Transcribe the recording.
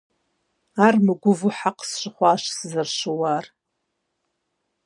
Ауэ мыгувэу хьэкъ сщыхъуащ сызэрыщыуэр.